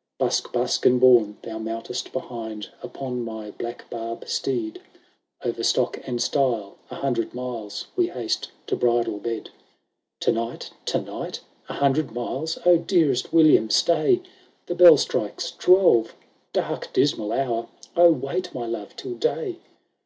XXXII " Busk, busk, and boune ! Thou niount'st behind Upon my black Barb steed : O'er stock and stile, a hundred miles, We haste to bridal bed." XXXIII " To night — to night a hundred miles !— O dearest William, stay ! The bell strikes twelve— dark, dismal hour ! O wait, my love, till day